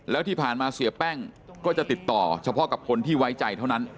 แล้วที่ผ่านมาเสียแป้งก็จะติดต่อเฉพาะกับคนที่ไว้ใจเท่านั้น